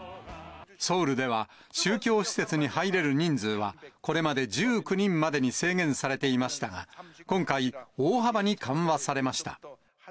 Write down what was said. ソウルでは、宗教施設に入れる人数はこれまで１９人までに制限されていましたが、今回、大幅に緩和されました。